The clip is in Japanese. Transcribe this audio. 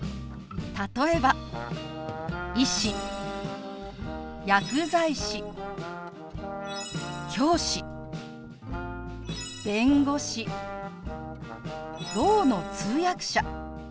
例えば「医師」「薬剤師」「教師」「弁護士」「ろうの通訳者」